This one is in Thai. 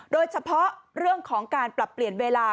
โดยเฉพาะเรื่องของการปรับเปลี่ยนเวลา